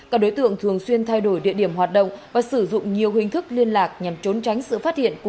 các đối tượng thường xuyên thay đổi địa điểm hoạt động và sử dụng nhiều hình thức liên lạc nhằm trốn tránh sự phát hiện của